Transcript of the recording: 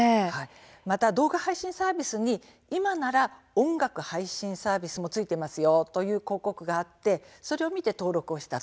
また動画配信サービスに今なら音楽配信サービスも付いてますよという広告があってそれを見て登録をした。